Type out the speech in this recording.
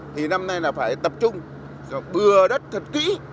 thì năm nay là phải tập trung bừa đất thật kỹ